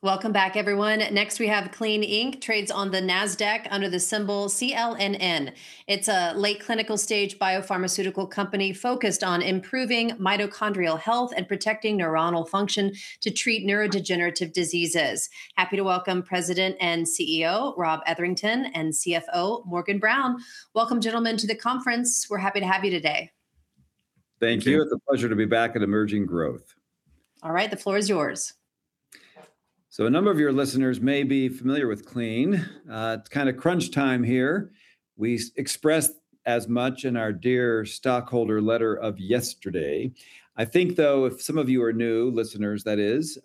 Welcome back, everyone. Next, we have Clene Inc., trades on the NASDAQ under the symbol CLNN. It's a late clinical-stage biopharmaceutical company focused on improving mitochondrial health and protecting neuronal function to treat neurodegenerative diseases. Happy to welcome President and CEO, Rob Etherington, and CFO, Morgan Brown. Welcome, gentlemen, to the conference. We're happy to have you today. Thank you. Thank you. It's a pleasure to be back at Emerging Growth. All right, the floor is yours. A number of your listeners may be familiar with Clene. It's kind of crunch time here. We expressed as much in our dear stockholder letter of yesterday. I think, though, if some of you are new, listeners, that is,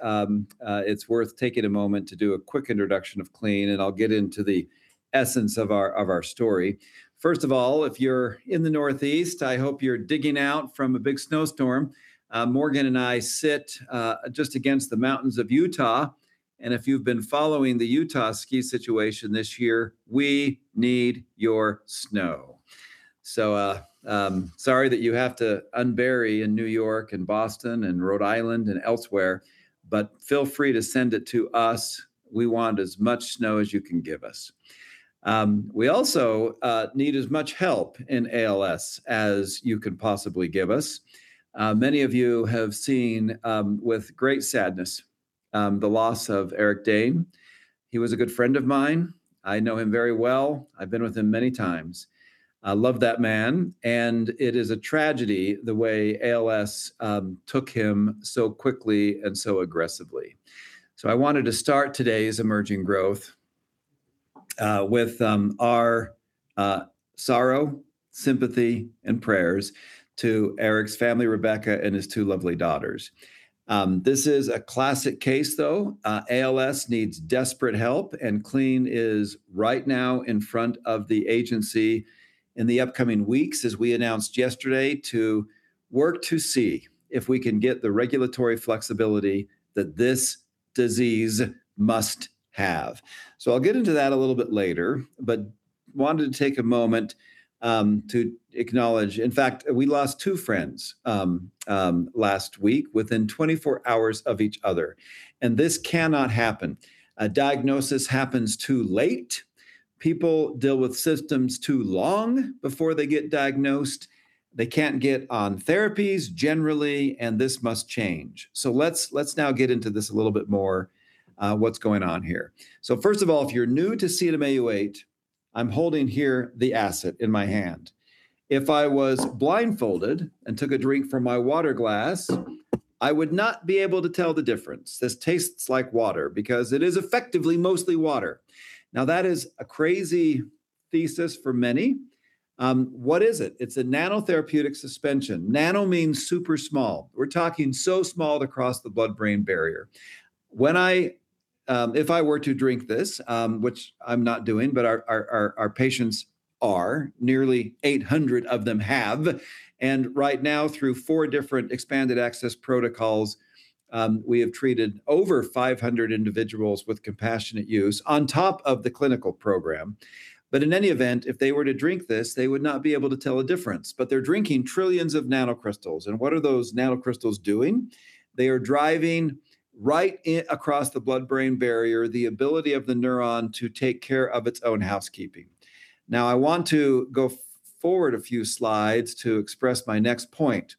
it's worth taking a moment to do a quick introduction of Clene, and I'll get into the essence of our, of our story. First of all, if you're in the Northeast, I hope you're digging out from a big snowstorm. Morgan and I sit just against the mountains of Utah, and if you've been following the Utah ski situation this year, we need your snow. Sorry that you have to unbury in New York and Boston and Rhode Island and elsewhere, but feel free to send it to us. We want as much snow as you can give us. We also need as much help in ALS as you could possibly give us. Many of you have seen, with great sadness, the loss of Eric Dane. He was a good friend of mine. I know him very well. I've been with him many times. I love that man, and it is a tragedy, the way ALS took him so quickly and so aggressively. I wanted to start today's Emerging Growth with our sorrow, sympathy, and prayers to Eric's family, Rebecca, and his two lovely daughters. This is a classic case, though. ALS needs desperate help, and Clene is right now in front of the agency in the upcoming weeks, as we announced yesterday, to work to see if we can get the regulatory flexibility that this disease must have. I'll get into that a little bit later, but wanted to take a moment to acknowledge. In fact, we lost two friends last week within 24 hours of each other, and this cannot happen. A diagnosis happens too late, people deal with systems too long before they get diagnosed, they can't get on therapies generally, and this must change. Let's now get into this a little bit more, what's going on here? First of all, if you're new to CNM-Au8, I'm holding here the asset in my hand. If I was blindfolded and took a drink from my water glass, I would not be able to tell the difference. This tastes like water because it is effectively mostly water. That is a crazy thesis for many. What is it? It's a nanotherapeutic suspension. Nano means super small. We're talking so small to cross the blood-brain barrier. When I, if I were to drink this, which I'm not doing, but our patients are, nearly 800 of them have, and right now, through 4 different expanded access protocols, we have treated over 500 individuals with compassionate use on top of the clinical program. In any event, if they were to drink this, they would not be able to tell a difference. They're drinking trillions of nanocrystals. What are those nanocrystals doing? They are driving right across the blood-brain barrier, the ability of the neuron to take care of its own housekeeping. I want to go forward a few slides to express my next point.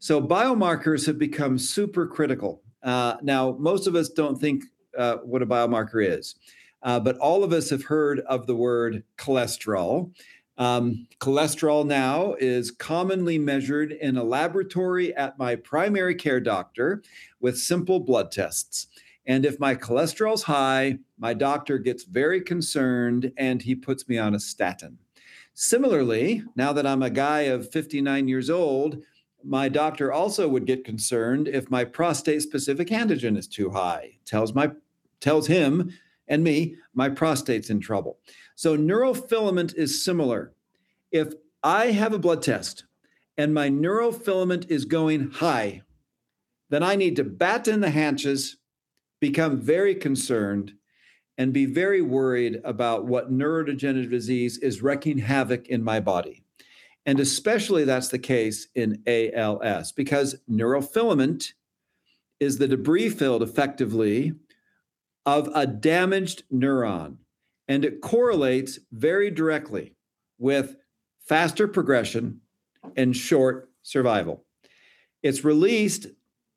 Biomarkers have become super critical. Now, most of us don't think what a biomarker is, but all of us have heard of the word cholesterol. Cholesterol now is commonly measured in a laboratory at my primary care doctor with simple blood tests, and if my cholesterol is high, my doctor gets very concerned, and he puts me on a statin. Similarly, now that I'm a guy of 59 years old, my doctor also would get concerned if my prostate-specific antigen is too high. Tells him and me my prostate's in trouble. Neurofilament is similar. If I have a blood test and my neurofilament is going high, then I need to batten the hatches, become very concerned, and be very worried about what neurodegenerative disease is wreaking havoc in my body. Especially that's the case in ALS, because neurofilament is the debris field effectively of a damaged neuron, and it correlates very directly with faster progression and short survival. It's released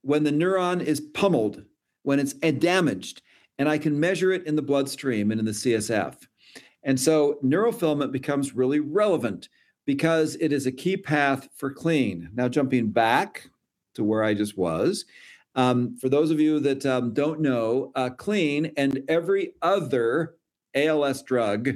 when the neuron is pummeled, when it's damaged, and I can measure it in the bloodstream and in the CSF. Neurofilament becomes really relevant because it is a key path for Clene. Now, jumping back to where I just was, for those of you that don't know, Clene and every other ALS drug,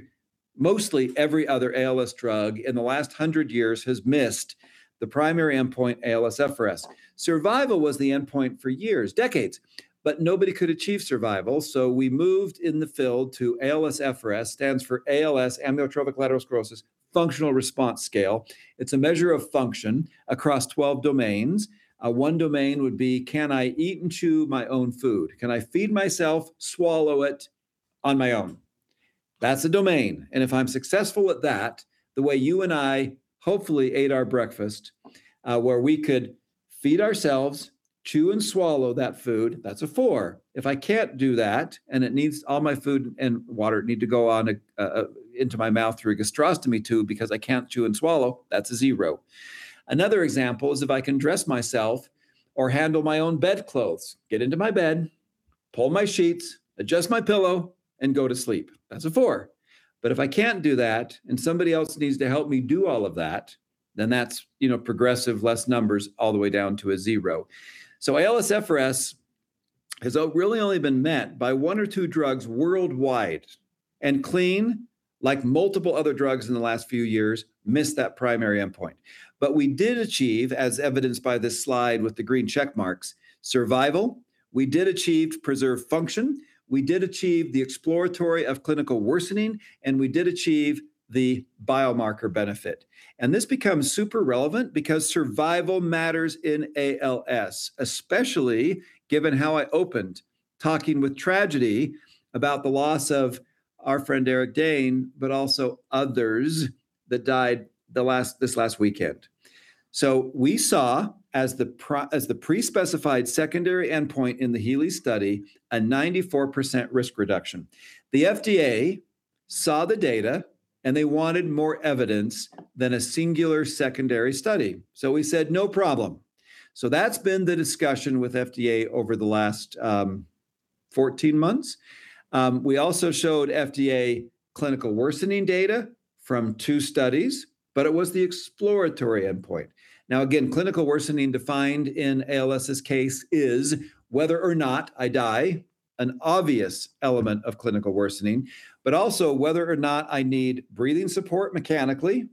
mostly every other ALS drug in the last 100 years has missed the primary endpoint, ALSFRS. Survival was the endpoint for years, decades, but nobody could achieve survival, so we moved in the field to ALSFRS. Stands for ALS, amyotrophic lateral sclerosis, functional response scale. It's a measure of function across 12 domains. One domain would be, can I eat and chew my own food? Can I feed myself, swallow it on my own? That's a domain, and if I'm successful at that, the way you and I hopefully ate our breakfast, where we could feed ourselves, chew, and swallow that food, that's a 4. If I can't do that, it needs all my food and water need to go into my mouth through a gastrostomy tube because I can't chew and swallow, that's a 0. Another example is if I can dress myself or handle my own bedclothes, get into my bed, pull my sheets, adjust my pillow, and go to sleep. That's a 4. If I can't do that, somebody else needs to help me do all of that, then that's, you know, progressive, less numbers all the way down to a 0. ALSFRS has really only been met by 1 or 2 drugs worldwide, and Clene, like multiple other drugs in the last few years, missed that primary endpoint. We did achieve, as evidenced by this slide with the green check marks, survival. We did achieve preserved function, we did achieve the exploratory of clinical worsening, and we did achieve the biomarker benefit. This becomes super relevant because survival matters in ALS, especially given how I opened, talking with tragedy about the loss of our friend Eric Dane, but also others that died this last weekend. We saw, as the pre-specified secondary endpoint in the HEALEY study, a 94% risk reduction. The FDA saw the data, and they wanted more evidence than a singular secondary study. We said, "No problem." That's been the discussion with FDA over the last 14 months. We also showed FDA clinical worsening data from 2 studies, but it was the exploratory endpoint. Again, clinical worsening, defined in ALS's case, is whether or not I die, an obvious element of clinical worsening, but also whether or not I need breathing support mechanically,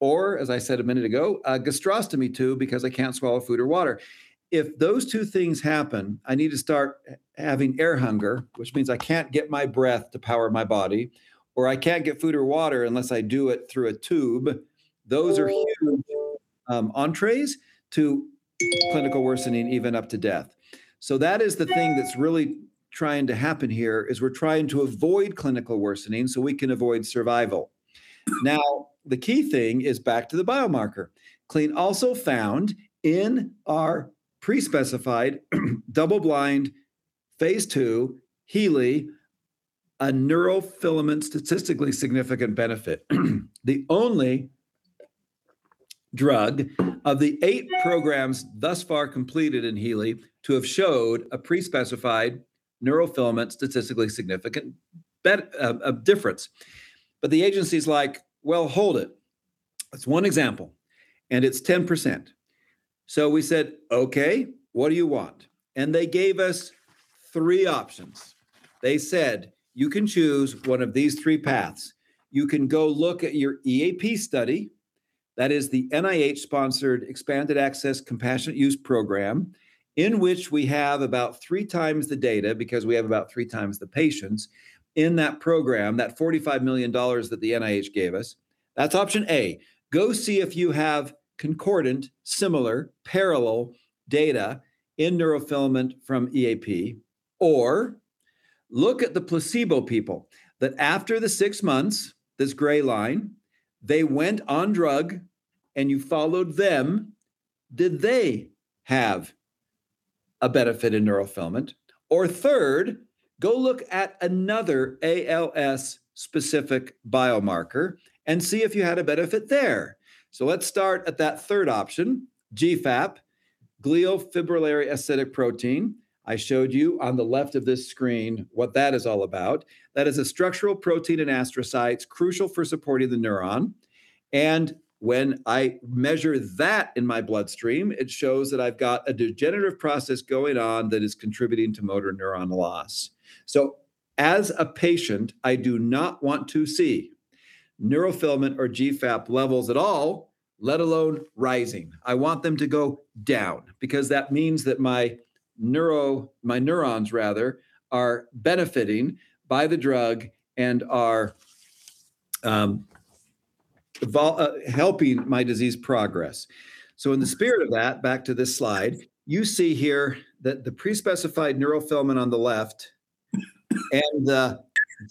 or, as I said a minute ago, a gastrostomy tube because I can't swallow food or water. If those 2 things happen, I need to start having air hunger, which means I can't get my breath to power my body, or I can't get food or water unless I do it through a tube. Those are huge entrees to clinical worsening, even up to death. That is the thing that's really trying to happen here, is we're trying to avoid clinical worsening, so we can avoid survival. The key thing is back to the biomarker. Clene also found in our pre-specified, double-blind, phase II HEALEY, a neurofilament statistically significant benefit. The only drug of the 8 programs thus far completed in HEALEY to have showed a pre-specified neurofilament statistically significant a difference. The agency's like, Well, hold it. That's 1 example, and it's 10%. We said, "Okay, what do you want?" They gave us 3 options. They said, "You can choose 1 of these 3 paths. You can go look at your EAP study," that is the NIH-sponsored Expanded Access Compassionate Use Program, in which we have about three times the data because we have about three times the patients in that program, that $45 million that the NIH gave us. That's option A. Go see if you have concordant, similar, parallel data in neurofilament from EAP, or look at the placebo people, that after the 6 months, this gray line, they went on drug and you followed them, did they have a benefit in neurofilament? Third, go look at another ALS-specific biomarker and see if you had a benefit there. Let's start at that third option, GFAP, Glial Fibrillary Acidic Protein. I showed you on the left of this screen what that is all about. That is a structural protein in astrocytes, crucial for supporting the neuron. When I measure that in my bloodstream, it shows that I've got a degenerative process going on that is contributing to motor neuron loss. As a patient, I do not want to see neurofilament or GFAP levels at all, let alone rising. I want them to go down, because that means that my neurons, rather, are benefiting by the drug and are helping my disease progress. In the spirit of that, back to this slide, you see here that the pre-specified neurofilament on the left and the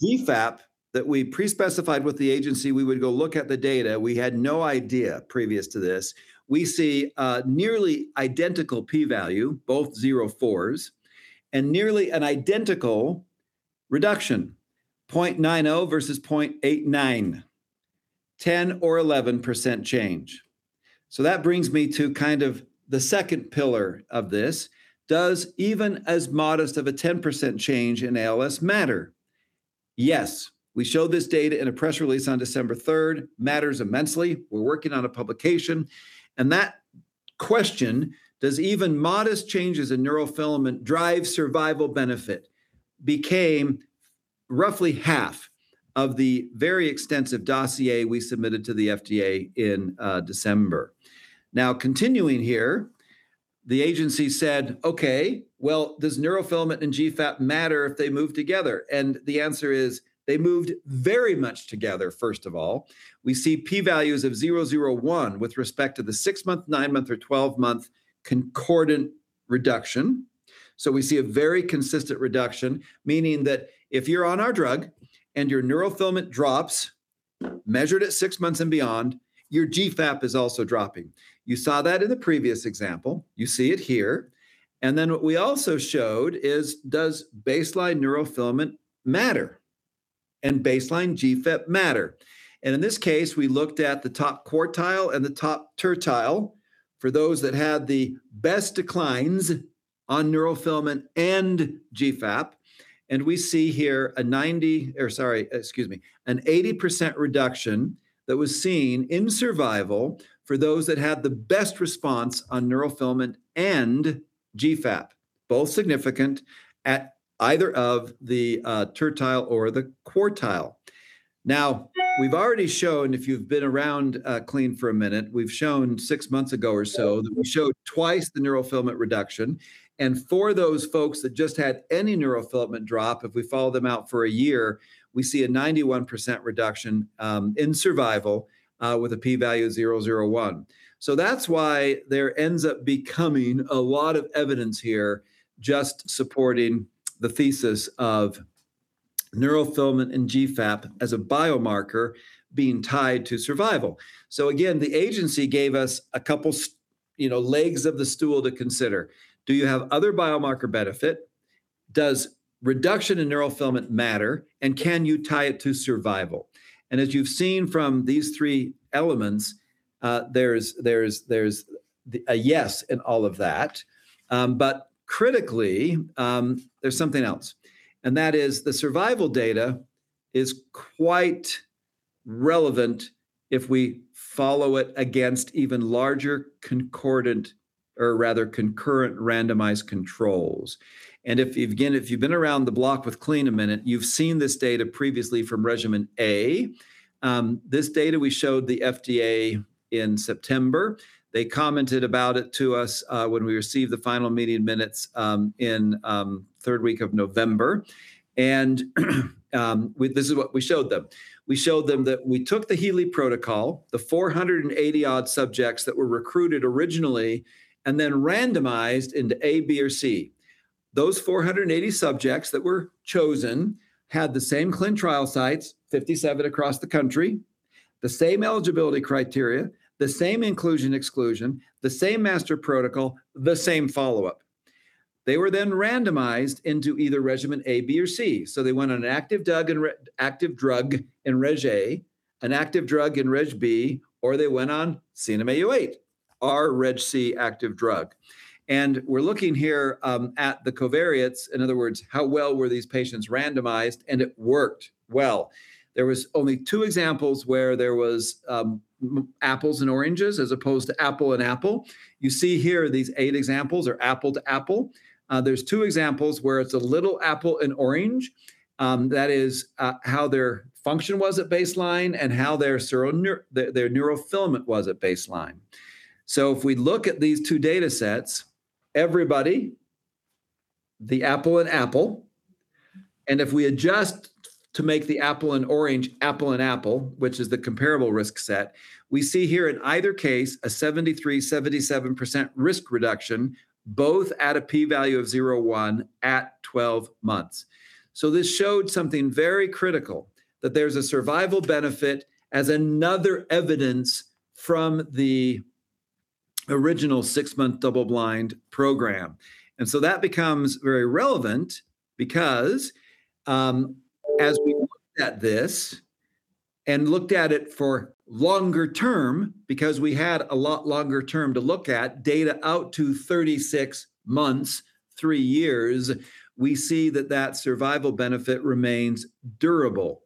GFAP that we pre-specified with the agency, we would go look at the data. We had no idea previous to this. We see nearly identical p-value, both 04s, and nearly an identical reduction, 0.90 versus 0.89, 10% or 11% change. That brings me to kind of the second pillar of this. Does even as modest of a 10% change in ALS matter? Yes. We showed this data in a press release on December third, matters immensely. We're working on a publication, and that question, does even modest changes in neurofilament drive survival benefit, became roughly half of the very extensive dossier we submitted to the FDA in December. Continuing here, the agency said, "Okay, well, does neurofilament and GFAP matter if they move together?" The answer is: They moved very much together, first of all. We see p-values of 0.001 with respect to the 6-month, 9-month, or 12-month reduction. We see a very consistent reduction, meaning that if you're on our drug and your neurofilament drops, measured at 6 months and beyond, your GFAP is also dropping. You saw that in the previous example. You see it here. What we also showed is, does baseline neurofilament matter and baseline GFAP matter? In this case, we looked at the top quartile and the top tertile for those that had the best declines on neurofilament and GFAP, and we see here an 80% reduction that was seen in survival for those that had the best response on neurofilament and GFAP, both significant at either of the tertile or the quartile. We've already shown, if you've been around Clene for a minute, we've shown 6 months ago or so, that we showed twice the neurofilament reduction. For those folks that just had any neurofilament drop, if we follow them out for a year, we see a 91% reduction in survival with a p-value of 0.001. That's why there ends up becoming a lot of evidence here just supporting the thesis of neurofilament and GFAP as a biomarker being tied to survival. Again, the agency gave us a couple, you know, legs of the stool to consider. Do you have other biomarker benefit? Does reduction in neurofilament matter, and can you tie it to survival? As you've seen from these three elements, there's a yes in all of that, but critically, there's something else, and that is the survival data is quite relevant if we follow it against even larger concordant or rather, concurrent randomized controls. If, again, if you've been around the block with Clene a minute, you've seen this data previously from Regimen A. This data we showed the FDA in September. They commented about it to us, when we received the final meeting minutes, in third week of November. This is what we showed them. We showed them that we took the HEALEY protocol, the 480 odd subjects that were recruited originally, and then randomized into A, B, or C. Those 480 subjects that were chosen had the same Clene trial sites, 57 across the country, the same eligibility criteria, the same inclusion, exclusion, the same master protocol, the same follow-up. They were then randomized into either Regimen A, B, or C. They went on an active drug in Reg A, an active drug in Reg B, or they went on CNM-Au8, our Reg C active drug. We're looking here at the covariates, in other words, how well were these patients randomized? It worked well. There was only two examples where there was apples and oranges as opposed to apple and apple. You see here, these eight examples are apple to apple. There's two examples where it's a little apple and orange, that is, how their function was at baseline and how their neurofilament was at baseline. If we look at these two datasets, everybody, the apple and apple, and if we adjust to make the apple and orange, apple and apple, which is the comparable risk set, we see here in either case, a 73%-77% risk reduction, both at a p-value of 0.01 at 12 months. This showed something very critical, that there's a survival benefit as another evidence from the original 6-month double-blind program. That becomes very relevant because as we looked at this and looked at it for longer term, because we had a lot longer term to look at, data out to 36 months, 3 years, we see that that survival benefit remains durable.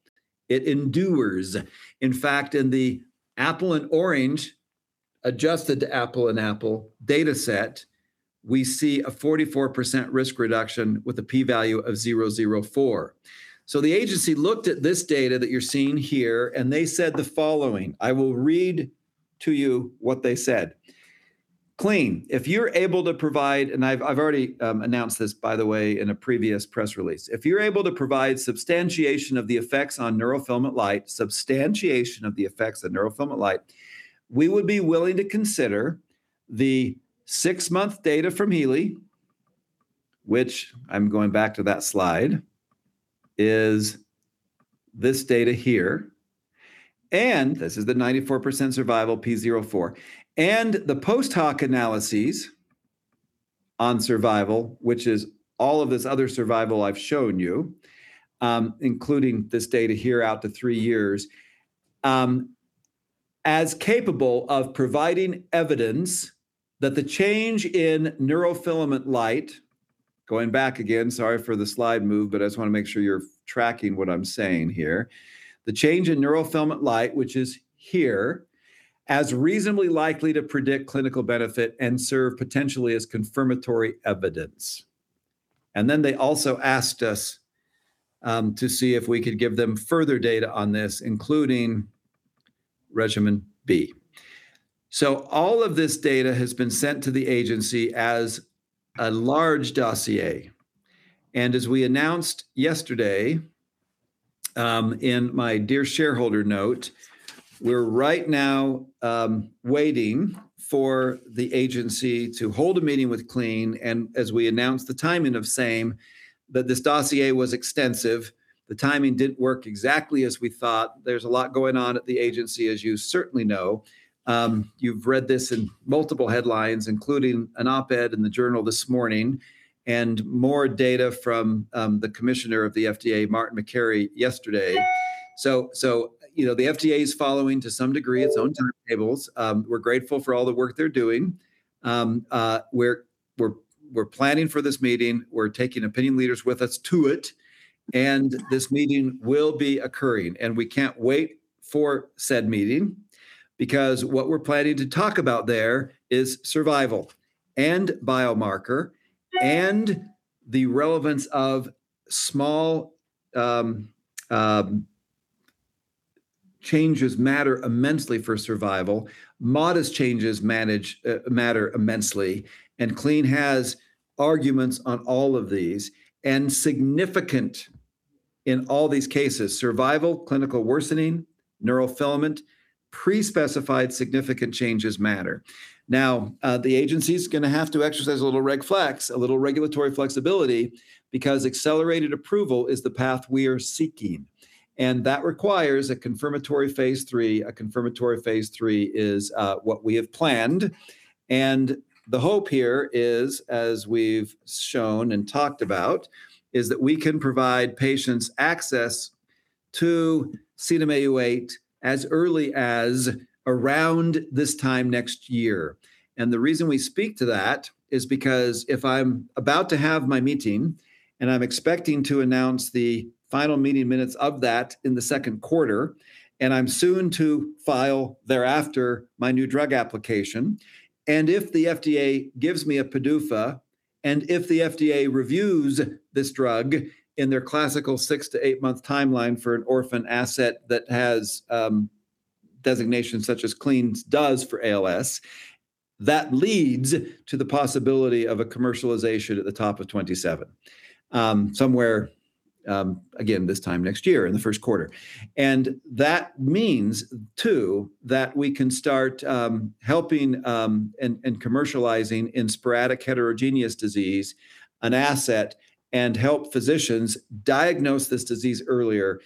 It endures. In fact, in the apple and orange, adjusted to apple and apple dataset, we see a 44% risk reduction with a p-value of 0.004. The agency looked at this data that you're seeing here, and they said the following. I will read to you what they said: "Clene, if you're able to provide," I've already announced this, by the way, in a previous press release. If you're able to provide substantiation of the effects of neurofilament light, we would be willing to consider the six-month data from HEALEY," which I'm going back to that slide, is this data here, and this is the 94% survival p 04, "and the post-hoc analyses on survival," which is all of this other survival I've shown you, including this data here out to three years, "as capable of providing evidence that the change in neurofilament light." Going back again, sorry for the slide move, but I just want to make sure you're tracking what I'm saying here. The change in neurofilament light," which is here, "as reasonably likely to predict clinical benefit and serve potentially as confirmatory evidence." They also asked us to see if we could give them further data on this, including Regimen B. All of this data has been sent to the agency as a large dossier, and as we announced yesterday, in my dear shareholder note, we're right now waiting for the agency to hold a meeting with Clene, and as we announced the timing of same, that this dossier was extensive. The timing didn't work exactly as we thought. There's a lot going on at the agency, as you certainly know. You've read this in multiple headlines, including an op-ed in the Journal this morning, and more data from the Commissioner of the FDA, Marty Makary, yesterday. You know, the FDA is following, to some degree, its own timetables. We're grateful for all the work they're doing. We're planning for this meeting. We're taking opinion leaders with us to it. This meeting will be occurring, and we can't wait for said meeting, because what we're planning to talk about there is survival, and biomarker, and the relevance of small changes matter immensely for survival. Modest changes matter immensely. Clene has arguments on all of these, and significant in all these cases: survival, clinical worsening, neurofilament, pre-specified significant changes matter. The agency's going to have to exercise a little reg flex, a little regulatory flexibility, because accelerated approval is the path we are seeking, and that requires a confirmatory Phase III. A confirmatory phase III is what we have planned, and the hope here is, as we've shown and talked about, is that we can provide patients access to CNM-Au8 as early as around this time next year. The reason we speak to that is because if I'm about to have my meeting, and I'm expecting to announce the final meeting minutes of that in the second quarter, and I'm soon to file thereafter my New Drug Application, and if the FDA gives me a PDUFA, and if the FDA reviews this drug in their classical 6-to-8-month timeline for an orphan asset that has designations such as Clene's does for ALS, that leads to the possibility of a commercialization at the top of 2027, somewhere, again, this time next year in the first quarter. That means, too, that we can start helping and commercializing in sporadic heterogeneous disease, an asset, and help physicians diagnose this disease earlier.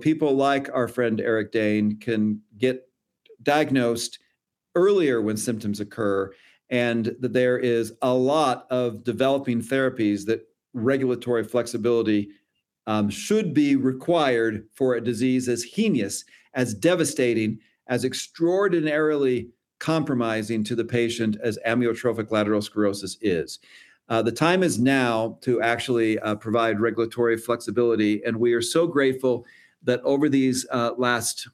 People like our friend Eric Dane can get diagnosed earlier when symptoms occur, and that there is a lot of developing therapies that regulatory flexibility should be required for a disease as heinous, as devastating, as extraordinarily compromising to the patient as amyotrophic lateral sclerosis is. The time is now to actually provide regulatory flexibility, and we are so grateful that over these last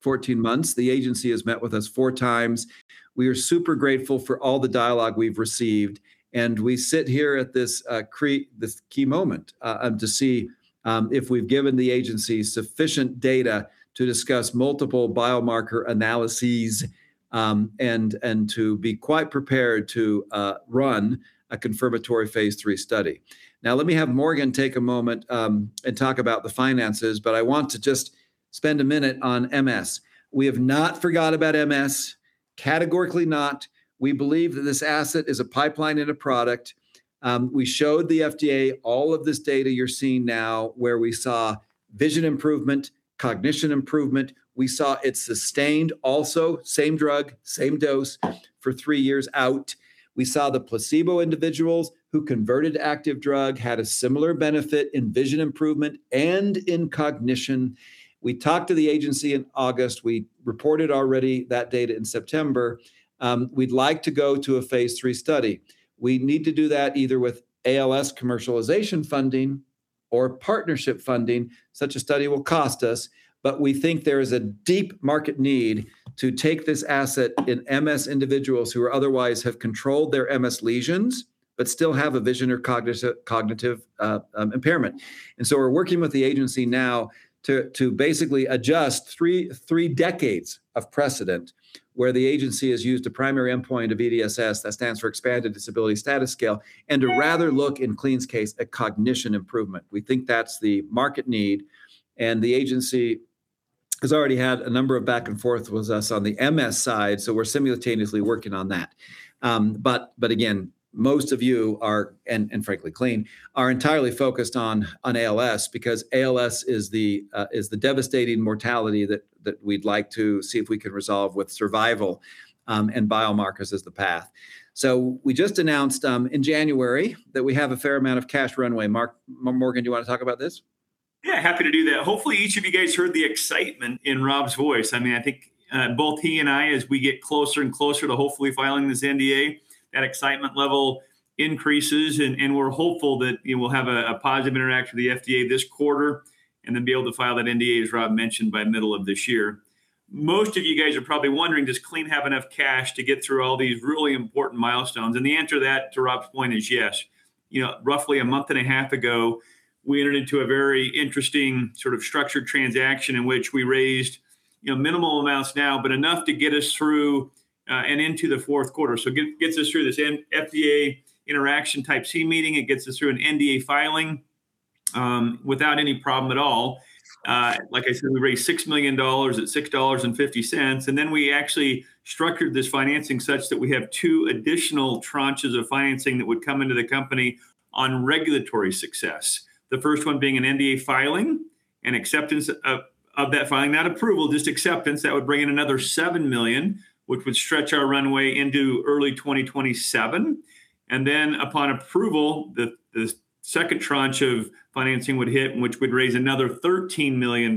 14 months, the agency has met with us 4 times. We are super grateful for all the dialogue we've received, and we sit here at this key moment to see if we've given the agency sufficient data to discuss multiple biomarker analyses, and to be quite prepared to run a confirmatory Phase III study. Let me have Morgan take a moment and talk about the finances, but I want to just spend a minute on MS. We have not forgot about MS, categorically not. We believe that this asset is a pipeline and a product. We showed the FDA all of this data you're seeing now, where we saw vision improvement, cognition improvement. We saw it sustained also, same drug, same dose, for three years out. We saw the placebo individuals who converted to active drug had a similar benefit in vision improvement and in cognition. We talked to the agency in August. We reported already that data in September. We'd like to go to a Phase III study. We need to do that either with ALS commercialization funding or partnership funding. Such a study will cost us, but we think there is a deep market need to take this asset in MS individuals who are otherwise have controlled their MS lesions, but still have a vision or cognitive impairment. We're working with the agency now to basically adjust three decades of precedent, where the agency has used a primary endpoint of EDSS, that stands for Expanded Disability Status Scale, and to rather look, in Clene's case, at cognition improvement. We think that's the market need. The agency has already had a number of back and forth with us on the MS side, so we're simultaneously working on that. Again, most of you are, and frankly, Clene, are entirely focused on ALS, because ALS is the devastating mortality that we'd like to see if we can resolve with survival, and biomarkers as the path. We just announced in January that we have a fair amount of cash runway. Morgan, do you want to talk about this? Yeah, happy to do that. Hopefully, each of you guys heard the excitement in Rob's voice. I mean, I think both he and I, as we get closer and closer to hopefully filing this NDA, that excitement level increases, and we're hopeful that, you know, we'll have a positive interaction with the FDA this quarter and then be able to file that NDA, as Rob mentioned, by middle of this year. Most of you guys are probably wondering, does Clene have enough cash to get through all these really important milestones? The answer to that, to Rob's point, is yes. You know, roughly a month and a half ago, we entered into a very interesting sort of structured transaction in which we raised, you know, minimal amounts now, but enough to get us through and into the fourth quarter. gets us through this FDA Type C meeting, it gets us through an NDA filing without any problem at all. Like I said, we raised $6 million at $6.50, and then we actually structured this financing such that we have 2 additional tranches of financing that would come into the company on regulatory success. The first one being an NDA filing, and acceptance of that filing, not approval, just acceptance. That would bring in another $7 million, which would stretch our runway into early 2027. Upon approval, the second tranche of financing would hit, which would raise another $13 million,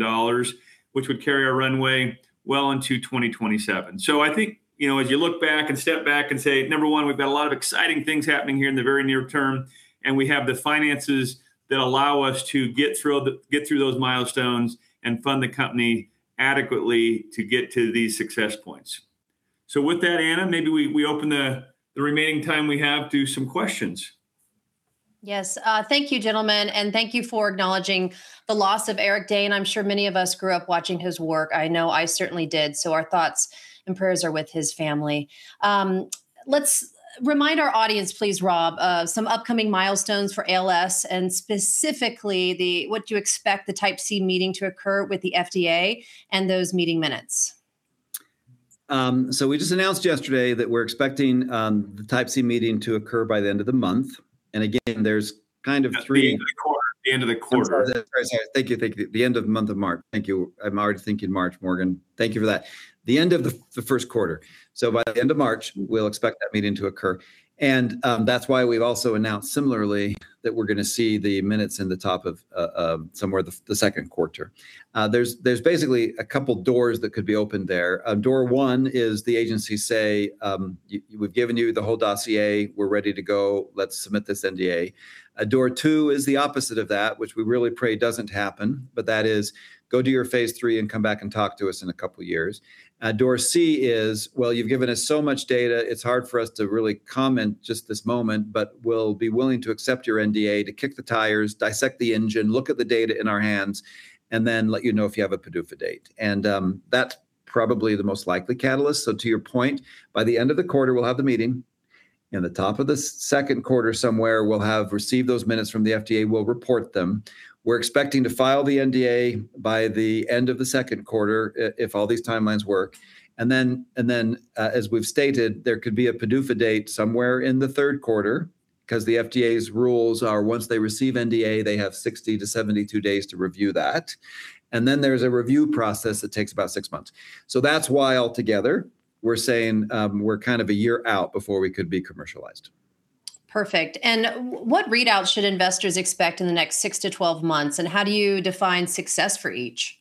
which would carry our runway well into 2027. I think, you know, as you look back and step back and say, number one, we've got a lot of exciting things happening here in the very near term, and we have the finances that allow us to get through those milestones and fund the company adequately to get to these success points. With that, Anna, maybe we open the remaining time we have to some questions. Thank you, gentlemen, and thank you for acknowledging the loss of Eric Dane. I'm sure many of us grew up watching his work. I know I certainly did, so our thoughts and prayers are with his family. Let's remind our audience, please, Rob, some upcoming milestones for ALS, and specifically, what do you expect the Type C meeting to occur with the FDA and those meeting minutes? We just announced yesterday that we're expecting, the Type C meeting to occur by the end of the month. Again, there's kind of three- The end of the quarter. The end of the quarter. I'm sorry. Very sorry. Thank you. Thank you. The end of the month of March. Thank you. I'm already thinking March, Morgan. Thank you for that. The end of the first quarter. By the end of March, we'll expect that meeting to occur, and that's why we've also announced similarly that we're going to see the minutes in the top of somewhere the second quarter. There's basically a couple doors that could be opened there. Door one is the agency say, "We've given you the whole dossier, we're ready to go. Let's submit this NDA." Door two is the opposite of that, which we really pray doesn't happen, but that is: "Go do your Phase III and come back and talk to us in a couple of years." Door C is: "Well, you've given us so much data, it's hard for us to really comment just this moment, but we'll be willing to accept your NDA, to kick the tires, dissect the engine, look at the data in our hands, and then let you know if you have a PDUFA date." That's probably the most likely catalyst. To your point, by the end of the quarter, we'll have the meeting. In the top of the second quarter somewhere, we'll have received those minutes from the FDA, we'll report them. We're expecting to file the NDA by the end of the second quarter, if all these timelines work. Then, as we've stated, there could be a PDUFA date somewhere in the third quarter, because the FDA's rules are, once they receive NDA, they have 60-72 days to review that. Then there's a review process that takes about 6 months. That's why altogether, we're saying, we're kind of a year out before we could be commercialized. Perfect. What readout should investors expect in the next six to twelve months, and how do you define success for each?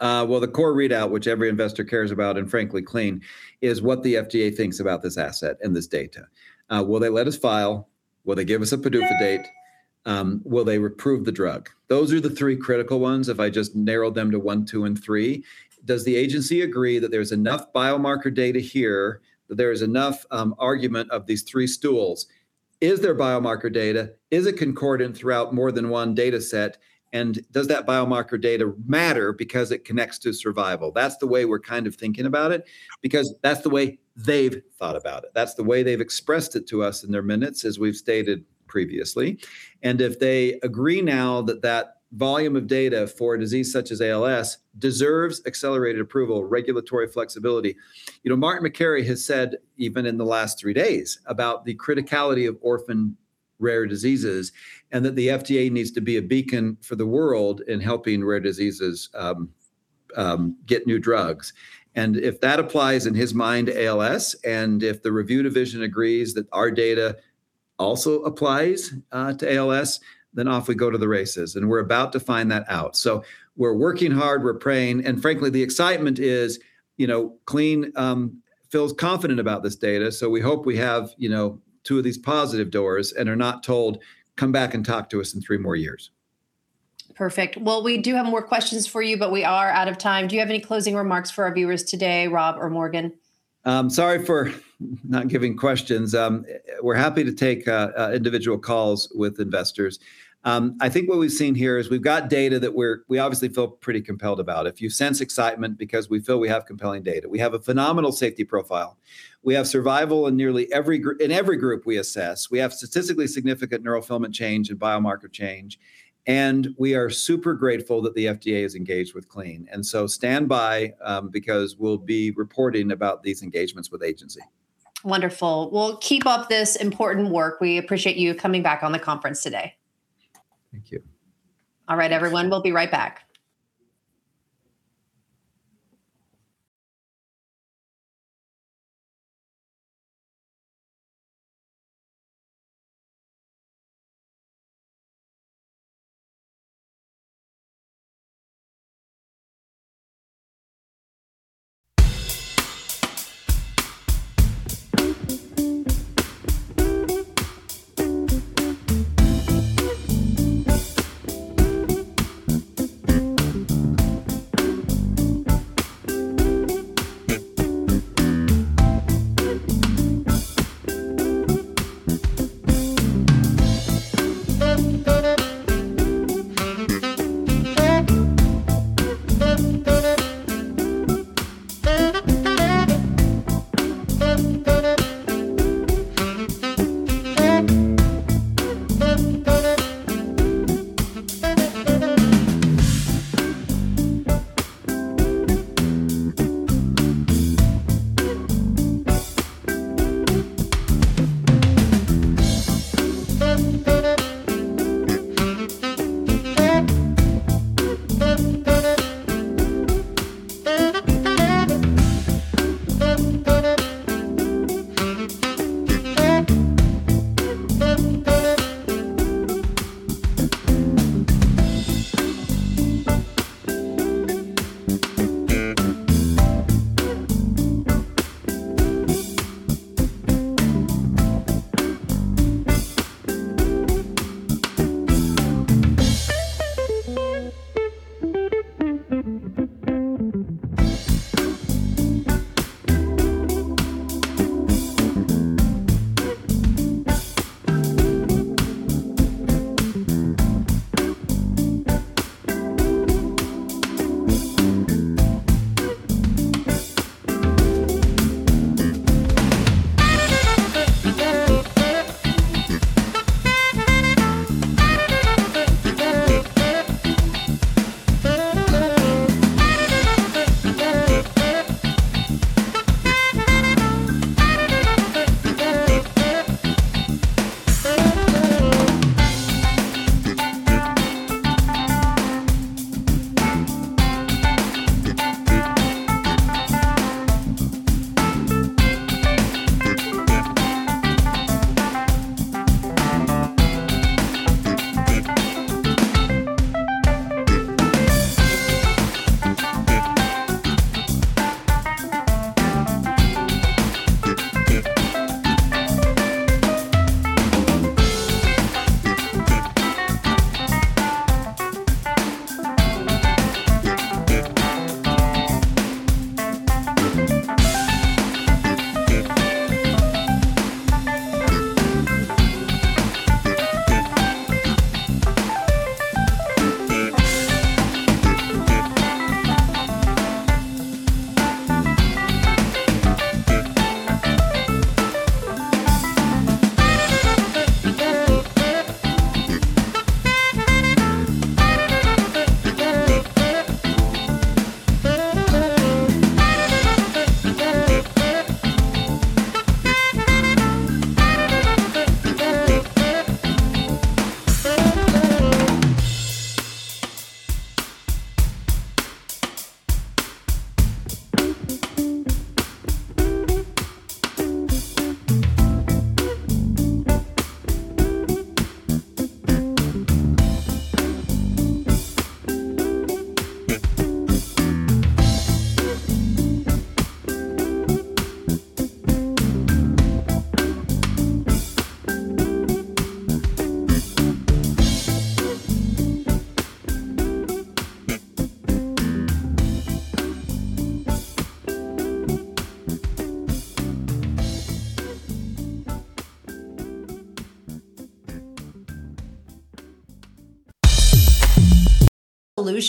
Well, the core readout, which every investor cares about, and frankly, Clene, is what the FDA thinks about this asset and this data. Will they let us file? Will they give us a PDUFA date? Will they approve the drug? Those are the three critical ones. If I just narrowed them to 1, 2, and 3, does the agency agree that there's enough biomarker data here, that there is enough argument of these three stools? Is there biomarker data? Is it concordant throughout more than one data set? Does that biomarker data matter because it connects to survival? That's the way we're kind of thinking about it, because that's the way they've thought about it. That's the way they've expressed it to us in their minutes, as we've stated previously. If they agree now that that volume of data for a disease such as ALS deserves accelerated approval, regulatory flexibility. You know, Marty Makary has said, even in the last three days, about the criticality of orphan rare diseases, and that the FDA needs to be a beacon for the world in helping rare diseases, get new drugs. If that applies in his mind to ALS, and if the review division agrees that our data also applies to ALS, then off we go to the races, and we're about to find that out. We're working hard, we're praying, and frankly, the excitement is, you know, Clene, feels confident about this data, so we hope we have, you know, two of these positive doors and are not told, "Come back and talk to us in three more years. Perfect. We do have more questions for you, but we are out of time. Do you have any closing remarks for our viewers today, Rob or Morgan? Sorry for not giving questions. We're happy to take individual calls with investors. I think what we've seen here is we've got data that we obviously feel pretty compelled about. If you sense excitement because we feel we have compelling data. We have a phenomenal safety profile. We have survival in nearly every group we assess. We have statistically significant neurofilament change and biomarker change, and we are super grateful that the FDA is engaged with Clene. Stand by because we'll be reporting about these engagements with agency. Wonderful. Well, keep up this important work. We appreciate you coming back on the conference today. Thank you. All right, everyone, we'll be right back.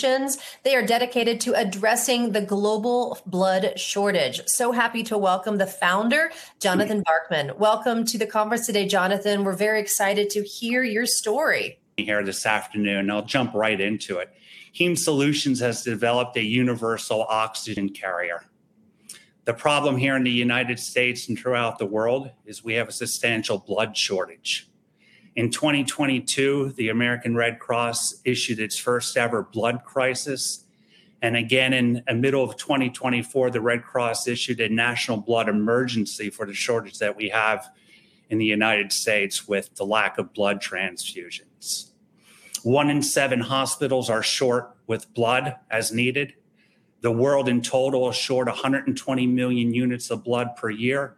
Heme Solutions. They are dedicated to addressing the global blood shortage. Happy to welcome the founder, Jonathan Barkman. Welcome to the conference today, Jonathan. We're very excited to hear your story. Here this afternoon, I'll jump right into it. Heme Solutions has developed a universal oxygen carrier. The problem here in the United States and throughout the world is we have a substantial blood shortage. In 2022, the American Red Cross issued its first-ever blood crisis. Again, in the middle of 2024, the Red Cross issued a national blood emergency for the shortage that we have in the United States with the lack of blood transfusions. One in seven hospitals are short with blood as needed. The world in total is short 120 million units of blood per year.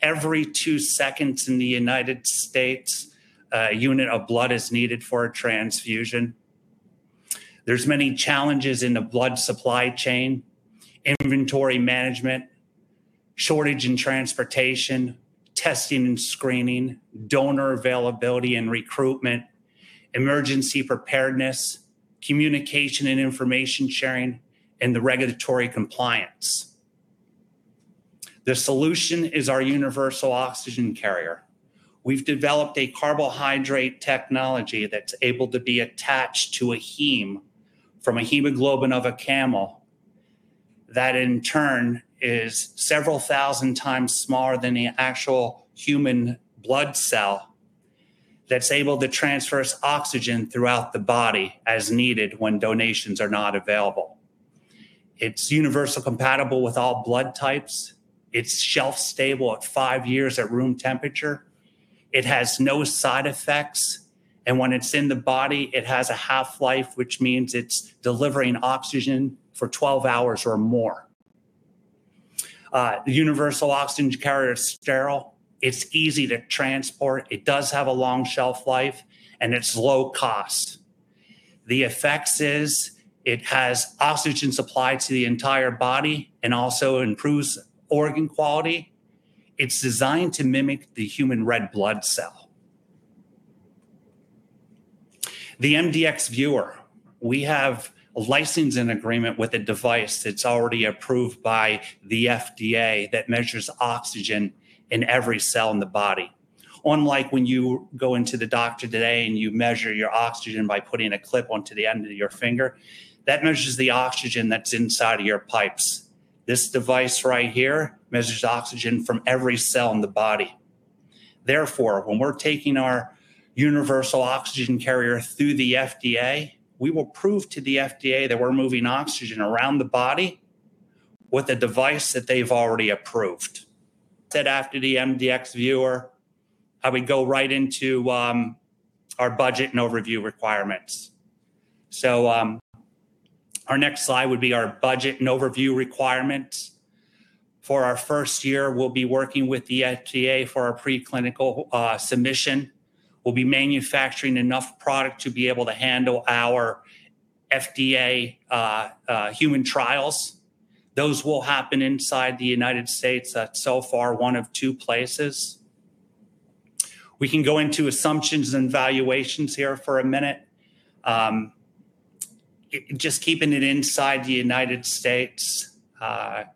Every two seconds in the United States, a unit of blood is needed for a transfusion. There's many challenges in the blood supply chain: inventory management, shortage in transportation, testing and screening, donor availability and recruitment, emergency preparedness, communication and information sharing, and the regulatory compliance. The solution is our universal oxygen carrier. We've developed a carbohydrate technology that's able to be attached to a heme from a hemoglobin of a camel. That in turn is several thousand times smaller than the actual human blood cell that's able to transfer oxygen throughout the body as needed when donations are not available. It's universal, compatible with all blood types. It's shelf stable at 5 years at room temperature. It has no side effects, and when it's in the body, it has a half-life, which means it's delivering oxygen for 12 hours or more. The universal oxygen carrier is sterile, it's easy to transport, it does have a long shelf life, and it's low cost. The effects is it has oxygen supply to the entire body and also improves organ quality. It's designed to mimic the human red blood cell. The MDXViewer. We have a licensing agreement with a device that's already approved by the FDA that measures oxygen in every cell in the body. Unlike when you go into the doctor today and you measure your oxygen by putting a clip onto the end of your finger, that measures the oxygen that's inside of your pipes. This device right here measures oxygen from every cell in the body. Therefore, when we're taking our universal oxygen carrier through the FDA, we will prove to the FDA that we're moving oxygen around the body with a device that they've already approved. After the MDXViewer, I would go right into our budget and overview requirements. Our next slide would be our budget and overview requirements. For our first year, we'll be working with the FDA for our preclinical submission. We'll be manufacturing enough product to be able to handle our FDA human trials. Those will happen inside the United States at so far, one of two places. We can go into assumptions and valuations here for a minute. Just keeping it inside the United States, the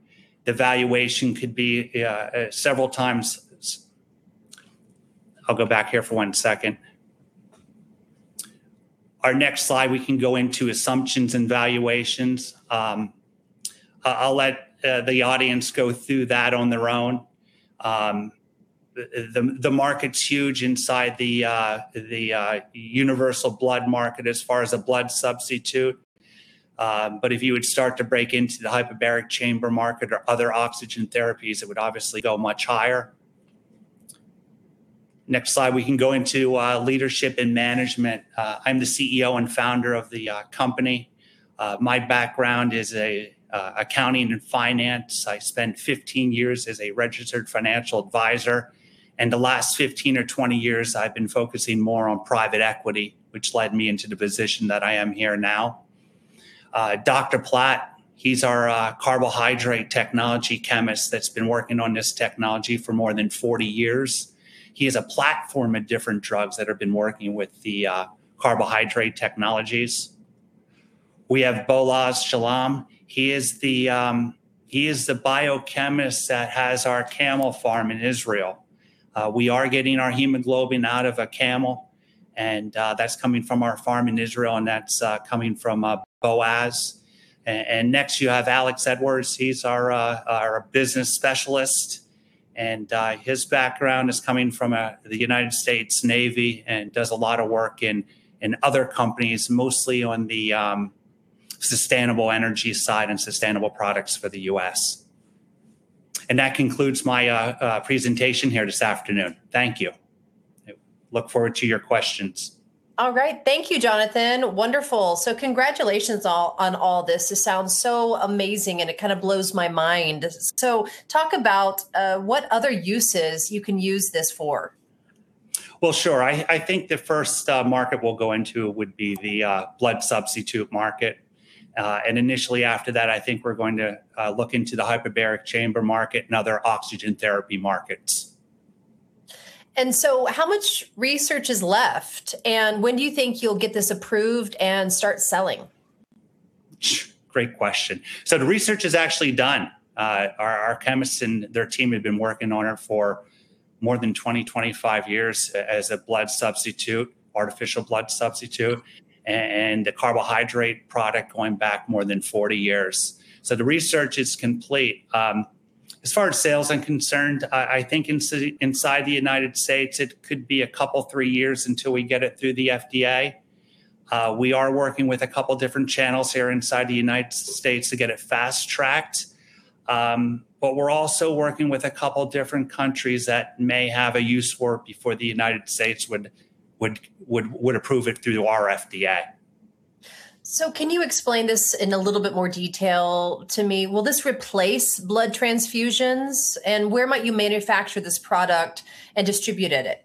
valuation could be several times... I'll go back here for one second. Our next slide, we can go into assumptions and valuations. I'll let the audience go through that on their own. The market's huge inside the universal blood market as far as a blood substitute. If you would start to break into the hyperbaric chamber market or other oxygen therapies, it would obviously go much higher. Next slide, we can go into leadership and management. I'm the CEO and founder of the company. My background is accounting and finance. I spent 15 years as a registered financial advisor, and the last 15 or 20 years, I've been focusing more on private equity, which led me into the position that I am here now. Dr. Platt, he's our Carbohydrate Technology Chemist that's been working on this technology for more than 40 years. He has a platform of different drugs that have been working with the carbohydrate technologies. We have Boaz Shalom. He is the biochemist that has our camel farm in Israel. We are getting our hemoglobin out of a camel, and that's coming from our farm in Israel, and that's coming from Boaz. Next, you have Alex Edwards. He's our business specialist, and his background is coming from the United States Navy and does a lot of work in other companies, mostly on the sustainable energy side and sustainable products for the U.S. That concludes my presentation here this afternoon. Thank you. I look forward to your questions. All right. Thank you, Jonathan. Wonderful. Congratulations on all this. This sounds so amazing, and it kind of blows my mind. Talk about what other uses you can use this for? Well, sure. I think the first market we'll go into would be the blood substitute market. Initially after that, I think we're going to look into the hyperbaric chamber market and other oxygen therapy markets. How much research is left, and when do you think you'll get this approved and start selling? Great question. The research is actually done. Our chemists and their team have been working on it for more than 20, 25 years as a blood substitute, artificial blood substitute, and the carbohydrate product going back more than 40 years. The research is complete. As far as sales are concerned, I think inside the United States, it could be 2, 3 years until we get it through the FDA. We are working with a couple different channels here inside the United States to get it fast-tracked. We're also working with a couple different countries that may have a use for it before the United States would approve it through our FDA. Can you explain this in a little bit more detail to me? Will this replace blood transfusions, and where might you manufacture this product and distribute it?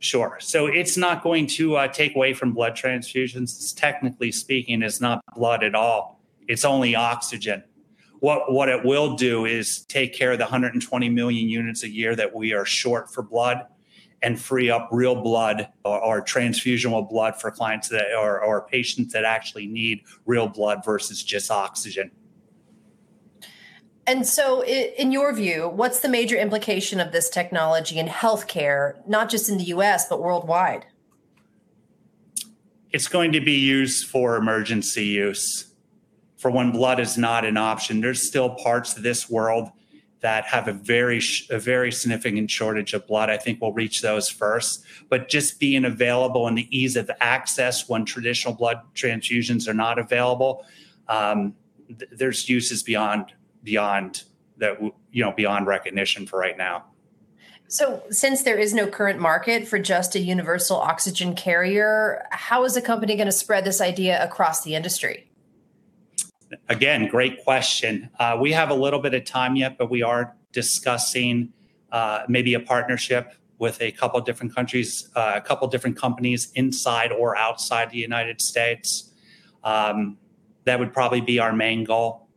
Sure. It's not going to take away from blood transfusions. Technically speaking, it's not blood at all. It's only oxygen. What it will do is take care of the 120 million units a year that we are short for blood and free up real blood or transfusional blood for clients that or patients that actually need real blood versus just oxygen. In your view, what's the major implication of this technology in healthcare, not just in the U.S., but worldwide? It's going to be used for emergency use, for when blood is not an option. There's still parts of this world that have a very significant shortage of blood. I think we'll reach those first. just being available and the ease of access when traditional blood transfusions are not available, there's uses beyond that, you know, beyond recognition for right now. Since there is no current market for just a universal oxygen carrier, how is the company gonna spread this idea across the industry? Again, great question. We have a little bit of time yet. We are discussing, maybe a partnership with a couple different countries, a couple different companies inside or outside the United States. That would probably be our main goal,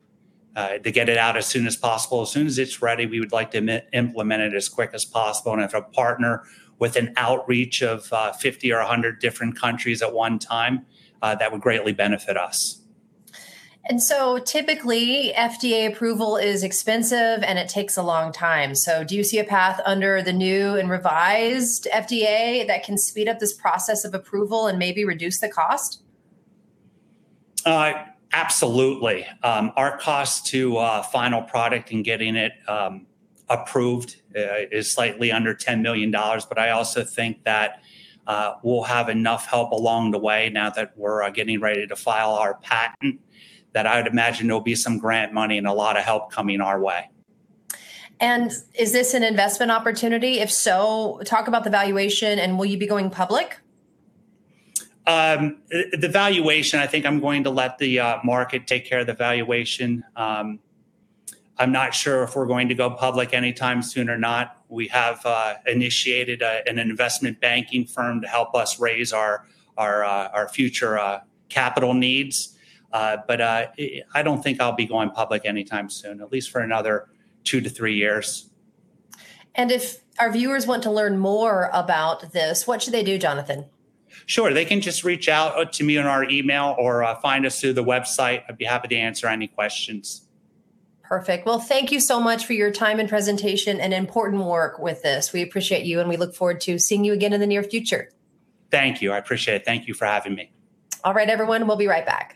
to get it out as soon as possible. As soon as it's ready, we would like to implement it as quick as possible. If a partner with an outreach of, 50 or 100 different countries at one time, that would greatly benefit us. Typically, FDA approval is expensive, and it takes a long time. Do you see a path under the new and revised FDA that can speed up this process of approval and maybe reduce the cost? Absolutely. Our cost to final product and getting it approved is slightly under $10 million, but I also think that we'll have enough help along the way now that we're getting ready to file our patent, that I would imagine there'll be some grant money and a lot of help coming our way. Is this an investment opportunity? If so, talk about the valuation, and will you be going public? The valuation, I think I'm going to let the market take care of the valuation. I'm not sure if we're going to go public anytime soon or not. We have initiated an investment banking firm to help us raise our future capital needs. I don't think I'll be going public anytime soon, at least for another two to three years. If our viewers want to learn more about this, what should they do, Jonathan? Sure, they can just reach out, to me on our email or, find us through the website. I'd be happy to answer any questions. Perfect. Well, thank you so much for your time and presentation and important work with this. We appreciate you, and we look forward to seeing you again in the near future. Thank you. I appreciate it. Thank you for having me. All right, everyone, we'll be right back.